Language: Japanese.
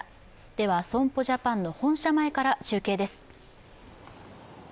では、損保ジャパンの本社前から中継です。